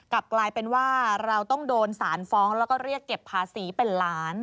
กลับกลายเป็นว่าเราต้องโดนสารฟ้องแล้วก็เรียกเก็บภาษีเป็นล้าน